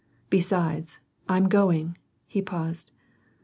Besides, Fm going" — He paused.